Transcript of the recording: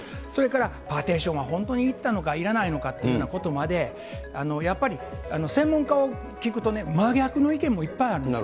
それからパーテーションは本当にいったのか、いらないのかといったことまで、やっぱり専門家に聞くとね、真逆の意見もいっぱいあるんです。